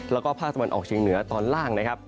แล้วก็ภาคตะวันออกเชียงเหนือตอนล่างนะครับ